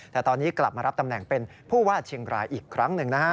แต่ตอนนี้กลับมารับตำแหน่งเป็นผู้ว่าเชียงรายอีกครั้งหนึ่งนะฮะ